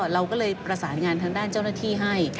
เราก็เลยประสานงานทางด้านเจ้าหน้าที่ให้